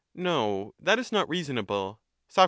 No ; that is not reasonable. Soc.